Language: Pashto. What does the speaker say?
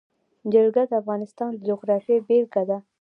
جلګه د افغانستان د جغرافیې بېلګه ده.